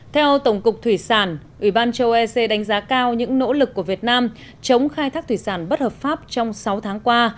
theo tổng cục thủy sản ủy ban châu ec đánh giá cao những nỗ lực của việt nam chống khai thác thủy sản bất hợp pháp trong sáu tháng qua